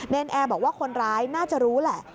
นแอร์บอกว่าคนร้ายน่าจะรู้แหละ